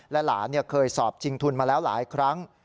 หลานเคยสอบชิงทุนมาแล้วหลายครั้ง